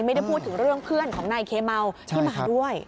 ไม่ได้พูดถึงเรื่องเพื่อนของนายเคเมาที่มาด้วย